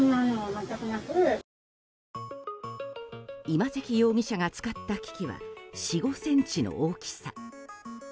今関容疑者が使った機器は４５ｃｍの大きさ。